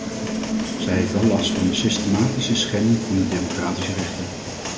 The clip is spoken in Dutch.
Zij heeft wel last van de systematische schending van de democratische rechten.